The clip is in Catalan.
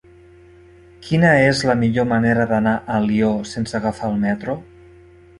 Quina és la millor manera d'anar a Alió sense agafar el metro?